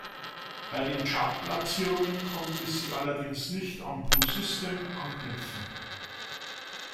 Bei den Chartplatzierungen konnten sie allerdings nicht an Blue System anknüpfen.